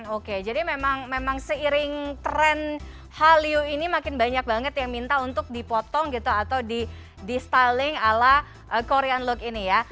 oke jadi memang seiring tren hallyu ini makin banyak banget yang minta untuk dipotong gitu atau di styling ala korean look ini ya